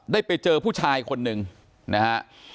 ได้ไปเจอผู้ชายคนหนึ่งนะฮะ